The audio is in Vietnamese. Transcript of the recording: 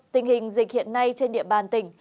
tình hình dịch hiện nay trên địa bàn tỉnh